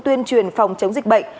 tuyên truyền phòng chống dịch bệnh